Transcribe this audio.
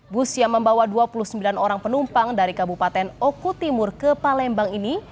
bus yang membawa dua puluh sembilan orang penumpang dari kabupaten oku timur ke palembang ini